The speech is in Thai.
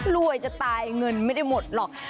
รวยจะตายเงินไม่ได้หมดหรอก